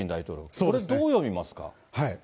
これ、どう読みますか？